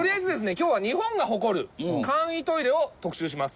今日は日本が誇る簡易トイレを特集します。